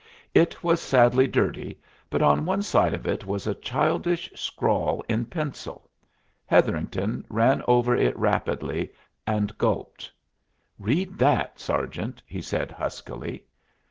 It was sadly dirty, but on one side of it was a childish scrawl in pencil. Hetherington ran over it rapidly, and gulped. "Read that, sergeant!" he said, huskily.